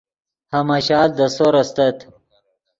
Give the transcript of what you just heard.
ہماشال دے سور استت